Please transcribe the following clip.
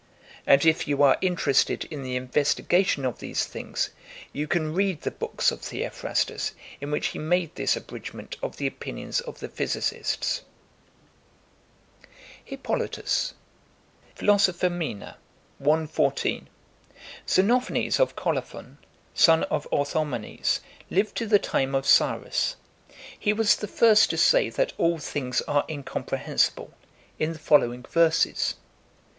And if you are interested in the investigation of these things, you can read the books of Theophrastos in which he made this abridgment of the opinions of the physicists. Hipp. Philos. i. 14; Dox. 565. Xenophanes of Kolophon, son of Orthomenes, lived to the time of Cyrus. He was the first to say that all things are in comprehensible, in the following verses : (Frag.